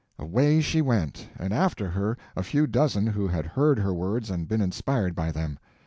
Away she went, and after her a few dozen who had heard her words and been inspired by them.